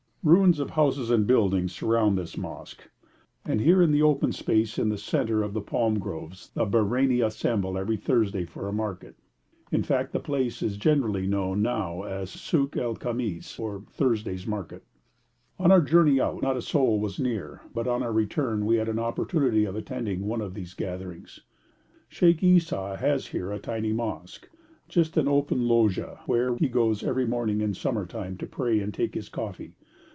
Ruins of houses and buildings surround this mosque, and here in the open space in the centre of the palm groves the Bahreini assemble every Thursday for a market; in fact the place is generally known now as Suk el Khamis, or Thursday's Market. On our journey out not a soul was near, but on our return we had an opportunity of attending one of these gatherings. Sheikh Esau has here a tiny mosque, just an open loggia, where he goes every morning in summer time to pray and take his coffee.